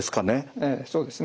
ええそうですね。